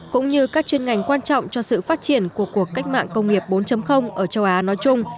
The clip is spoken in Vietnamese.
cũng như các chuyên ngành quan trọng cho sự phát triển của cuộc cách mạng công nghiệp bốn ở châu á nói chung